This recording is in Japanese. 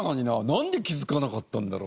なんで気づかなかったんだろう。